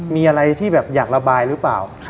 มีอะไรที่แบบอยากระบายหรือเปล่า